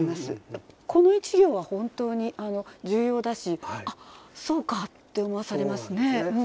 この１行は本当に重要だし「あっそうか」って思わされますね。